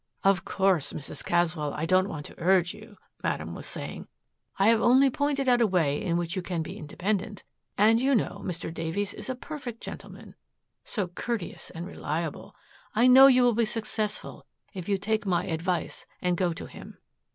"Of course, Mrs. Caswell, I don't want to urge you," Madame was saying. "I have only pointed out a way in which you can be independent. And, you know, Mr. Davies is a perfect gentleman, so courteous and reliable. I know you will be successful if you take my advice and go to him."